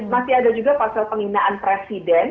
masih ada juga pasal penghinaan presiden